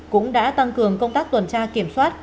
cũng đã tăng cường công tác tuần tra kiểm soát